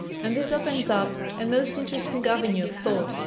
And this opens up a most interesting avenue of thought.